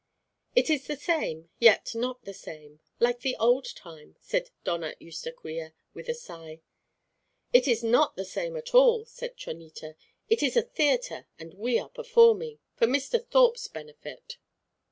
"It is the same, yet not the same like the old time," said Doña Eustaquia, with a sigh. "It is not the same at all," said Chonita. "It is a theatre, and we are performing for Mr. Thorpe's benefit."